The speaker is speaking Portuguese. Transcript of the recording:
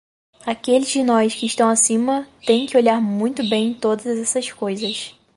Aqueles de nós que estão acima têm que olhar muito bem todas essas coisas.